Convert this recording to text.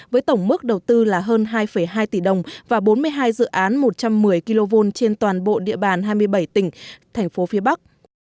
với tổng mức đầu tư là hơn hai hai tỷ đồng và bốn mươi hai dự án một trăm một mươi kv trên toàn bộ địa bàn hai mươi bảy tỉnh thành phố phía bắc